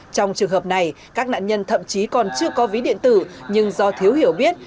trong trường hợp này các nạn nhân thậm chí còn chưa có ví điện tử nhưng do thiếu hiểu biết